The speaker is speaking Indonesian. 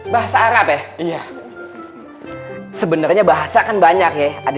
bahasa arab kom don actually cantan banyak vegan sunah adobe jawa ada bugis tapi